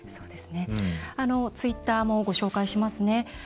ツイッターもご紹介します。